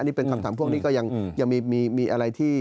นี่เป็นคำถามพวกนี้ก็ยังมีอะไรที่